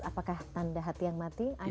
apakah tanda hati yang mati